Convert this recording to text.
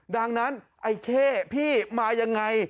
ดังนั้นไอ้เค่พี่มาอย่างไร